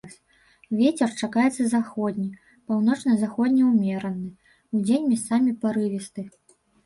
Вецер чакаецца заходні, паўночна-заходні ўмераны, удзень месцамі парывісты.